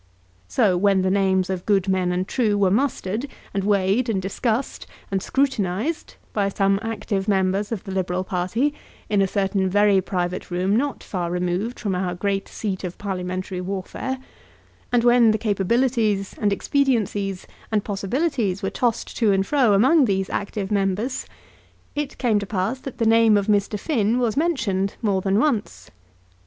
So when the names of good men and true were mustered, and weighed, and discussed, and scrutinised by some active members of the Liberal party in a certain very private room not far removed from our great seat of parliamentary warfare; and when the capabilities, and expediencies, and possibilities were tossed to and fro among these active members, it came to pass that the name of Mr. Finn was mentioned more than once.